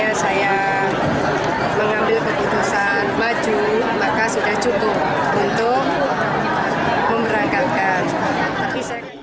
jika pada saatnya saya mengambil keputusan maju maka sudah cukup untuk memberangkalkan